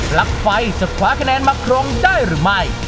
ลั๊กไฟจะคว้าคะแนนมาครองได้หรือไม่